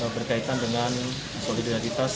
berkaitan dengan solidaritas